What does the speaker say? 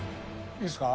いいですよ。